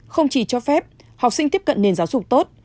không chỉ cho phép học sinh tiếp cận nền giáo dục tốt